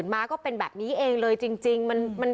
วิทยาลัยศาสตร์อัศวินตรี